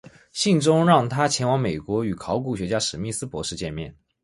信中让他前往美国与考古学家史密斯博士见面。